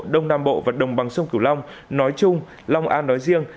đông nam bộ và đồng bằng sông cửu long nói chung long an nói riêng